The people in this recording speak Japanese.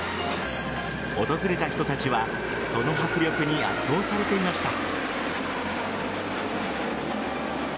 訪れた人たちはその迫力に圧倒されていました。